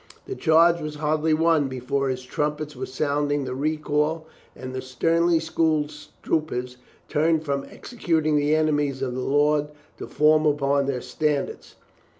The charge was hardly won before his trumpets were sounding the recall and the sternly schooled troopers turned from executing the enemies of the Lord to form upon their standards.